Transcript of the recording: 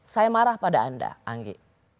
saya marah pada anda anggi